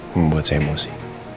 membuat saya emosi